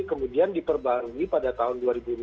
kemudian diperbagi pada tahun